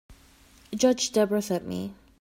Judge Debra sent me.